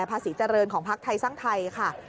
ภาษิเจริญของภาคใต้ซ่างไทยค่ะ